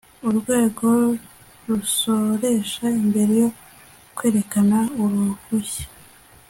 urwego rusoresha mbere yo kwerekana uruhushya